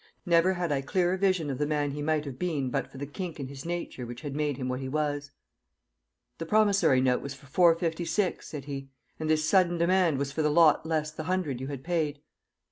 Never had I clearer vision of the man he might have been but for the kink in his nature which had made him what he was. "The promissory note was for four fifty six," said he, "and this sudden demand was for the lot less the hundred you had paid?"